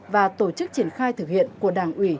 và tổ chức triển khai thực hiện của đảng ủy